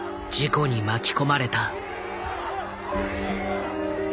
事故に巻き込まれた。